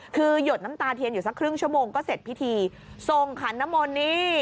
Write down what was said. คือหยดน้ำตาเทียนอยู่สักครึ่งชั่วโมงก็เสร็จพิธีส่งขันนมลนี่